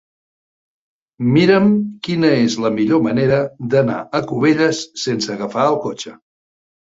Mira'm quina és la millor manera d'anar a Cubelles sense agafar el cotxe.